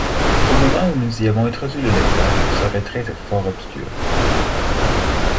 Au moment où nous y avons introduit le lecteur, ce retrait était fort obscur.